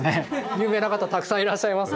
有名な方たくさんいらっしゃいます。